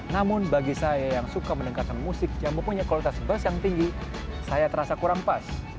namun bagi saya yang suka mendengarkan musik yang mempunyai kualitas bus yang tinggi saya terasa kurang pas